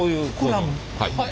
はい。